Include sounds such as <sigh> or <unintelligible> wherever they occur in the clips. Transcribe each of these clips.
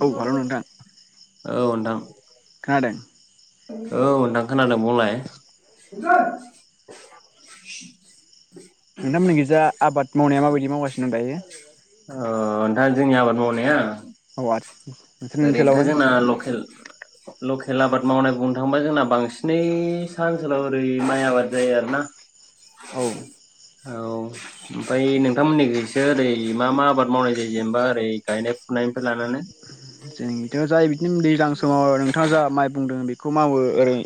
औ भाल नोंथां औ नोंथां खोनादों औ नोंथां खोनादों बुंलाय नोंथांमोनिखैजा आबाद मावनाया माबायदि गासिनो दायो अ दा जोंनि आबाद मावनाया <unintelligible> ओरैनोथ जोंना लकेल लकेल आबाद मावनाय बुंनो थांबा जोंना बांसिनै साहा ओनसोलाव ओरै माइ आबाद जायो आरोना औ ओमफ्राय नोंथांमोननिखैसो ओरै मा मा आबाद मावनाय जायो जेनेबा ओरै गायनाय फुनायनिफ्राय लानानै जोंनिखैथ जाय बिदिनो दैज्लां समाव नोंथाङा जा माइ बुंदों बे खौ मावो ओरै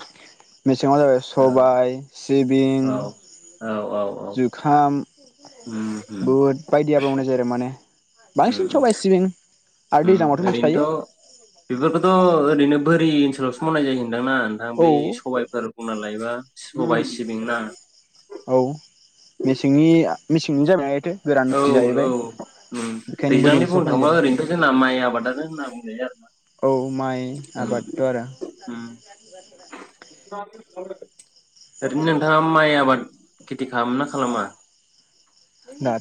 मेसेङाव जाबाय सबाय सिबिं जुखाम बुध बायदि दियाब्रावनाय जायो माने बांसिन सबाइ सिबिं ओरैनोथ बेफोरखौथ ओरैनो बोरि ओनसोलावसो मावनाय जायो नोंथांना नोंथां बे सबायफोर बुंना लायोबा सबाय सिबिं ना औ मेसेंनि मेसेंनि जाबाय औ औ उ दैज्लांनि बुंनो थांबा ओरैनोथ जोंना माइ आबादानो होनना बुंजायो आरोना उ उ ओरैनो नोथाङा माइ आबाद खेथि खालामो ना खालामा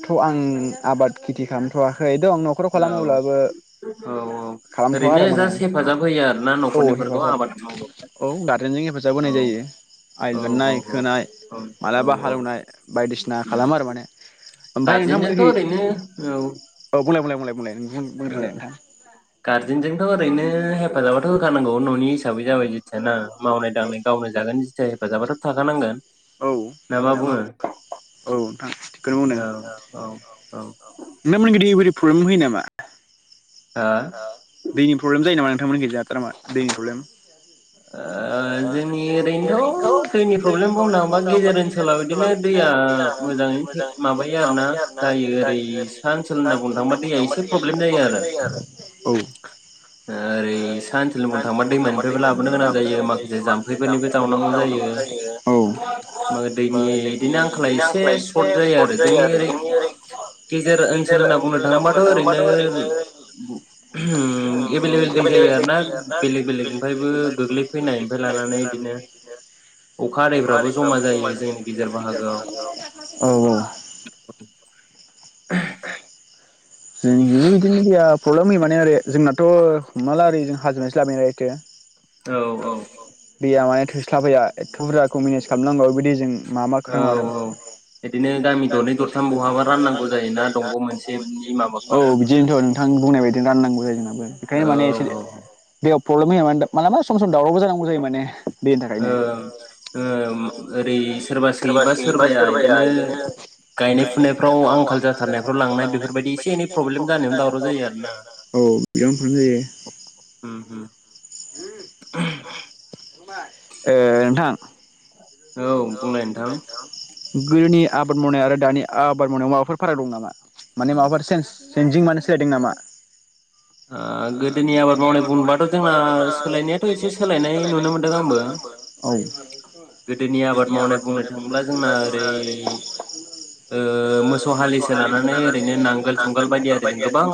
थ' आं आबाद खेथि खालामथ'वाखै थ' न'खराव खालामोब्लाबो खालामथ'वा आरो माने आं औ हेफाजाब औ गारजेनजों हेफाजाब होनाय जायो आलि दाननाय खोनाय मालाबा हालौवनाय बायदिसिना खालामो आरो माने ओमफ्राय नोंथांमोननिखि औ बुंलाय बुंलाय बुंलाय बुंलाय नों बुंग्रोलाय नोथां गारजेनजों जोंथ' ओरैनो हेफाजाबाथ' होखानांगौ न'नि हिसाबै जाबाय जेथिया ना मावनाय दांनाय गावनो जागोन जाय हेफाजाबाथ' थाखानांगोन औ औ नोंलाय मा बुङो औ नोंथां थिखौनो बुंदों औ औ <unintelligible> प्रब्लेम होयो नामा <inaudible> हा दैनि प्रब्लेम जायो नामा नोंथांमोननिखैजाय नामा दैनि प्रब्लेम ओ जोंनि ओरैनोथ' दैनि प्रब्लेम बुंनो थाङोबा गेजेर ओनसोलाव बिदिनो दैया मोजाङैनो माबायो आरोना जायो ओरै सा ओनसोल होनना बुंनो थाङोबा दैया एसे प्रब्लेम जायो आरो ओरै सा ओनसोलखौ बुंनो थांबा दैमानिफ्रायबो लाबोयो नो गोनां जायो माखासे जाम्फैफोरनिबो जावनांगौ जायो ओ दैनि बिदिनो आंखाला एसे सर्ट जायो आरो जोंनि ओरै गेजेर ओनसोल होनना बुंनो थाङोबाथ' ओरैनो एबेल एबेल दै जायो आरोना बेलेग बेलेगनिफ्रायबो गोग्लै फैनायनिनायनिफ्राय लानानै बिदिनो अखा हदैफ्राबो जमा जायो जोंनि गेजेर बाहागोआव <unintelligible> जोंनिदोबो बिदिनो दैया प्रब्लेम होयो माने आरै जोंनाथ' हमना ला ओरै जों हाजोनिफ्रायसो लाबाय नालायथो औ औ दैया माय थोस्लाबाया एथ' बुरजाखौ मेनेज खालामनांगौ बे दैजों औ औ बिदिनो गामि दरनै दरथाम बहाबा राननांगौ जायोना दंग' मोनसेनि माबाखौ औ बिदिनोथ' नोंथां बुंनाय बायदि राननांगौ जायो जोंनाबो बेखायनो माने एसे प्रब्लेम होयो माने मालाबा सम सम दावरावबो जानांगौ जायो माने ओ ओ ओरै सोरबा सोयोबा सोरबाया बिदिनो गायनाय फुनायफ्राव आंखाल जाथारनायफ्राव लांनाय बेफोरबादि बेफोरबादि एसे एनै प्रब्लेम जानायावनो दावराव जायो आरोना औ बेयावनो प्रब्लेम जायो ए‌ नोंथां औ बुंलाय नोंथां गोदोनि आबाद मावनाय आरो दानि आबाद मावनायाव माबाफोर फाराग दं नामा माने माबाफोर सेन्स सेनजिं माने दों नामा ओ गोदोनि आबाद मावनाय बुंबाथ' जोंना सोलायनायाथ' एसे सोलायनाय नुनो मोनदों आंबो गोदोनि आबाद मावनाय बुंनाय थांब्ला जोंना ओरै ओ मोसौ हालिसे लानानै ओरैनो नांगोल जुंगाल बायदि आरो जों गोबां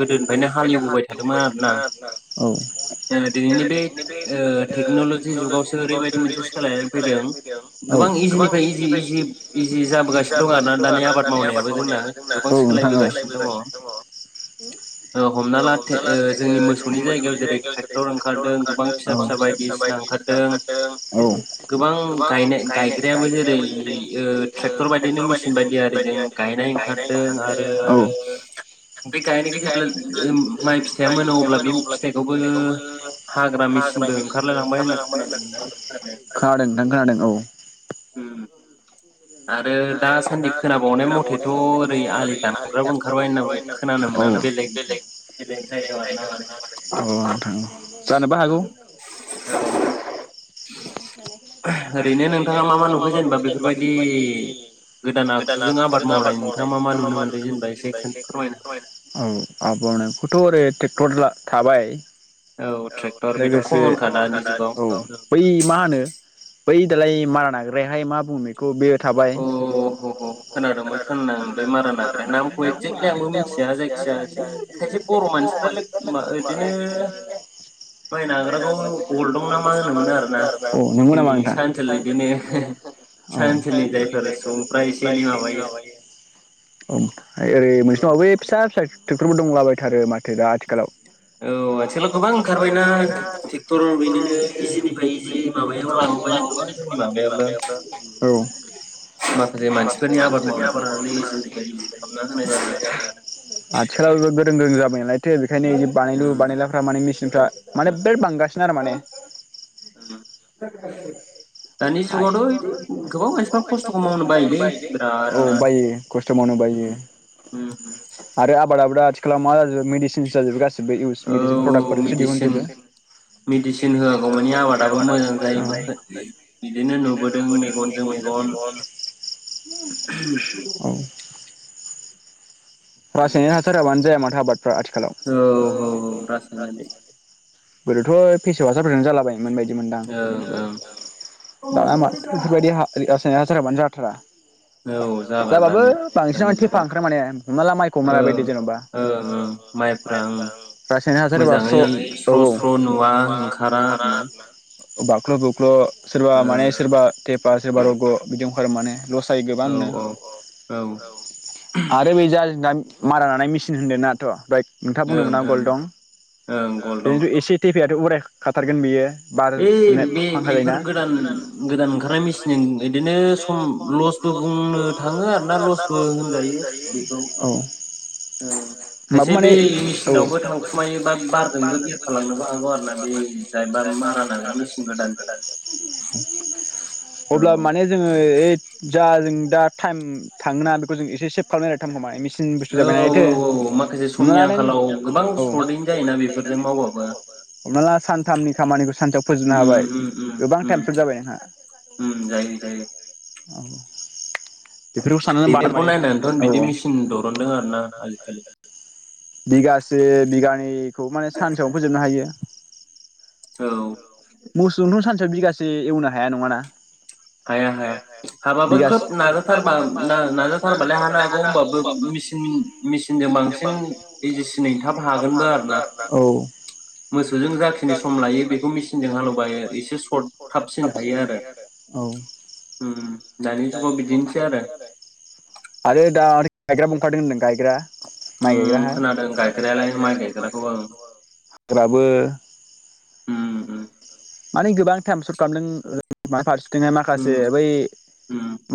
गोदोनिफ्रायनो ह हालिवबोबाय थादोंमोन आरोना दिनैनि बे ओ टेक्न'लजि जुगावसो ओरैबायदि मोनसे सोलायनानै फैदों गोबां इजिनिफ्राय इजि इजि इजि जाबोगासिनो दं आरोना दानि आबाद मावनायाबो जोंना गोबां सोलायबोगासिनो दङ ओ हमना ला ओ जोंनि मोसौनि जायगायाव जेरै ट्रेक्टर ओंखारदों गोबां फिसा फिसा बायदिसिना ओंखारदों बिनो गोबां गायनाय गायग्रायाबो जेरै ओ ट्रेक्टर बायदिनो मेसिन बायदि आरो जों गायनाय ओंखारदों आरो बे गायनायखौ जों माइ फिथाइया मोनो अब्ला बे फिथाइखौबो हाग्रा मेसिनबो ओंखारलायलांबाय होनना खोनादोंमोन आरो <unintelligible> आरो औ <unintelligible> आबाद मावनायखौथ' ओरै ट्रेक्टरला थाबाय औ लोगोसे औ बै मा होनो बै दालाय मारा नाग्रायाहाय मा बुङो बेखौ बे थाबाय <unintelligible> औ नंगौ नामा नोंथां <unintelligible> औ <unintelligible> <unintelligible> ट्रेक्टरबो दंलाबायथारो माथो दा आथिखालाव। औ <unintelligible> रों रों जाबाय नालाय थे बेखायनो बिखायनो बानायलु बानायलाफ्रा माने मेसिनफ्रा माने बिराद बांगासिनो आरो माने <unintelligible> <unintelligible> दानि जुगावथ' <unintelligible> औ बायो खस्थ' मावनो बायो आरो आबादाबो दा खालामा ओरै मेडिसिनसो जाजोबो गासै <unintelligible> प्रडाक्टफोरसो दिहुनजोबो मेडिसिननायनि आबादाबो मोजां बिदिनो नुबोदों मेगजों मेगन ओ रासायनारि हासार होआबानो जाया माथो आबादफ्रा आथिखालाव गोदोथ' फेसव हासारफोरजोंनो जालाबायो मोन बायदि मोनदां दा‌ मा <unintelligible> बेफोरबायदि हासार होआबानो जाथारा। जाबाबो बांसिन माने थेफा ओंखारो माने। हमना ला माइखौ हमना लाबाय दे जेनबा रासायनारि हासार होबा स्र' औ औ बाख्ल' बुख्ल' सोरबा माने थेफा सोरबा रग' फोरमाने लस जायो गोबांनो औ औ आरो <unintelligible> जों दा मारा लानाय मेसिन होन्दोंनाथ' ओमफ्राय नोंथाङा बुंनो मोना गलदं बे एसे थेफाया उराय खाथारगोन बियो। ओ बे बेफोर गोदान गोदान ओंखारनाय मेसिनजों बिदिनो सम लसबो बुंनो थाङो आरो ना लसबो होनजायो खायसे बे मिसिनावबो थांखुमायो बा बारजोंबो बेरफालांनोबो हागौ आरोना बे जाय बा <unintelligible> अब्ला माने जोङो ओ जा जों दा टाइम थाङोना बेखौ जों एसे सेभ खालामनाय <unintelligible> औ औ औ औ माखासे समनि आंखालाव गोबां सर्टैनो जायोना बेफोरजों मावबाबो जायो उम हम हम हम उम जायो जायो। औ <unintelligible> औ बिगासे बिगानैखौ माने सानसेयावनो फोजोबनो हायो मुसौनुथ बिगासे एवनो हाया नङाना हाया हाया हाबाबो खोब नाजाथारबा नाजाथारबालाय हानो हा हागौ हबाबो मिसिन मिसिनजों बांसिन इजिसिनैनो थाब हागोनबो आरोना मोसौजों जाखिनि सम लायो बेखौ मिसिनजों हालेवबा एसे सर्ट थाब सिन हायो आरो ओम दानि जुगाव बिदिनोसै आरो आरो दा गायग्रा बु <unintelligible> ओंखारदों होनदों गायग्रा माइ गायग्रा हा <unintelligible> माने गोबां टाइम सर्ट खालामदों <unintelligible> जोंहा माखासे बै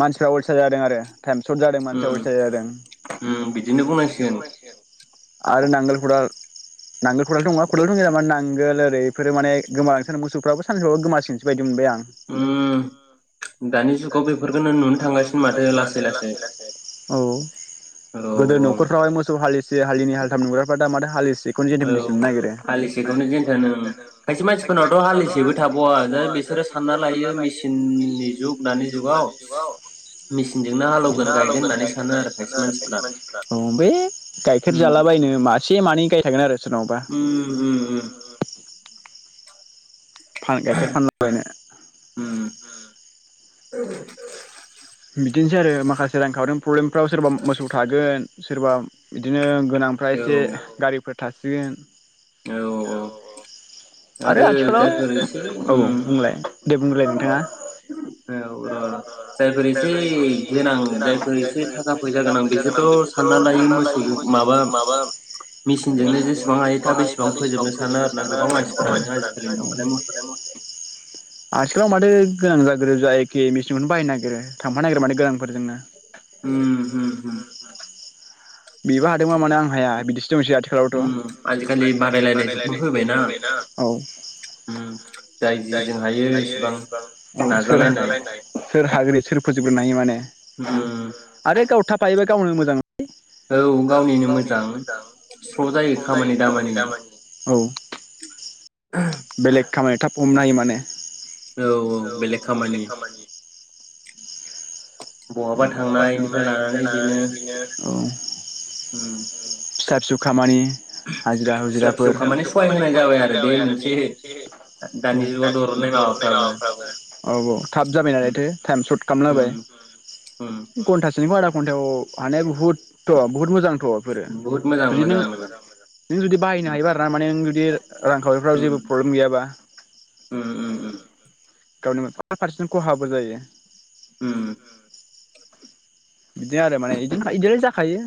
मानसिफ्रा अलसिया जादों आरो टाइम सर्ट जादों मानसिआ अलसिया जादों <unintelligible> आरो नांगोलफोर नांगोल खदाल दंङ खदाल दं जामा नांगोल ओरै एफोरो माने गोमा मोसौफ्राबो साननैसोबावबा गोमासिगोनसो बायदि मोनबाय आं <unintelligible> हलिनि हालथाम नुग्राफोरा माथो हा औ हालिसेखौनो जेनथेन ओं खायसे मानसिफोरनावथ' आथिखालावथ' हालसेबो थाबावा जा बेसोरो सानना लायो मेचिननि जुग आथिखालाव हाल एवगोन मागोन होननानै सानो आरो मानसि बे गाइखेर जालाबायनो मासे मानै गाय थागोन आरो सोरनावबा फान गायखेर फानलाबायनो औ बिदिनोसै आरो माखासे रांखावरि प्रब्लेमफ्राव सोरबा मोसौ थागोन सोरबा बिदिनो गोनांफ्रा एसे गारिफोर थासिगोन आरो आथिखालाव औ बुंलाय दे बुंलाय नोंथाङा औ जायफोर जायफोर एसे गोनां जायफोर एसे थाखा फैसा गोनां बेसोरथ साननानै लायो मोसौजों माबा मेसिनजोंनो जेसेबां हायो थाब बेसेबां फोजोबनो सानो आरोना गोबां मानसिफोरानो आथि गोबां माथो गोनां जा ग्रों जा एखे मेसिनखौनो बाहायनो नागिरो थांफानो नागिरो माने गोनांफोरजोंनो उम हम हम बिबो हादों बा मानो आं हाया बिदिसो दंसै आथिखालावथ आजिखालि बादायलायनायबो फैबायना औ औ सोर हाग्रो सोर फोजोबग्रोन हायो माने आरो गाव थाब हायोबा गावनो मोजां औ गावनिनो मोजां स्र जायो खामानि दामानि बेलेग खामानि थाब हमनो हायो माने औ औ बेलेग खामानि बहाबा थांनायफ्राय लानानै बिदिनो फिसा फिसौ खामानि हाजिरा हुजिराफोर फिसा फिसौ सहाय होनाय जाबाय आरो बे मोनसे दानि जुगाव दरननाय माबाफ्राबो औ औ थाब जाबाय नालायथो टाइम सर्ट खालामलायबाय गन्थासेनि बार गन्थायाव माने बहुत बहुत मोजां गथफोर जुदि नों नों जुदि बाहायनो हायोब आरोना माने नों जुदि रांखावरिफ्राव जेबो प्रब्लेम गैयाबा गावनि फारसे खहाबो जायो उम बिदिनो आरो माने इदिनो इदिआलाय जाखायो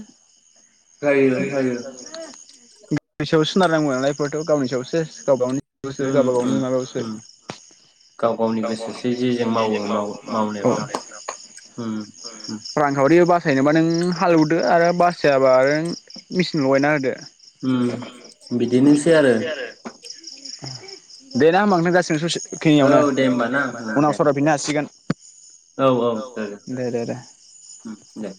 <unintelligible> गावनि सायाव सोनारनांगौ नालायफोरथ' गावनि सायावसो गाव गावनि सो गावबा गावनि माबायावसो गाव गावनि गोसोथि जे जे मावो माव ओ उ रांखावरि बासायनोबा नों हालेवदो आरो बासायाबा आरो नों मेचिन लगायना होदो। उम बिदिनोसै आरो। दे ना होमबा नोंथां जासिगोन ससे खिनियावनो उनाव सरायफिननो हासिगोन। औ औ दे दे ओम दे